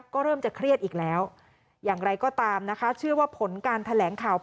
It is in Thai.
ก็เริ่มจะเครียดอีกแล้วอย่างไรก็ตามนะคะเชื่อว่าผลการแถลงข่าว